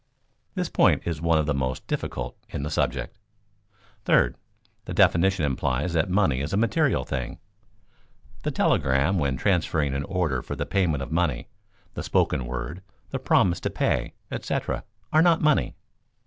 This point is one of the most difficult in the subject. Third, the definition implies that money is a material thing. The telegram when transferring an order for the payment of money, the spoken word, the promise to pay, etc., are not money.